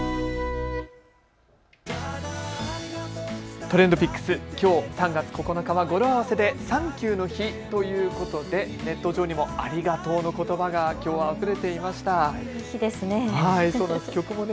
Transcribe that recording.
ＴｒｅｎｄＰｉｃｋｓ、きょう３月９日は語呂合わせでサンキューの日ということでネット上にもありがとうのことばがきょうはあふれていました。